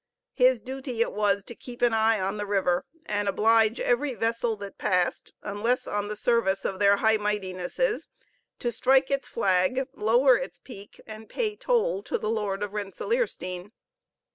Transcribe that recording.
His duty it was to keep an eye on the river, and oblige every vessel that passed, unless on the service of their High Mightinesses, to strike its flag, lower its peak, and pay toll to the Lord of Rensellaersteen.